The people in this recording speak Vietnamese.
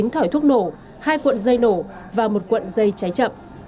một trăm linh chín thỏi thuốc nổ hai cuộn dây nổ và một cuộn dây cháy chậm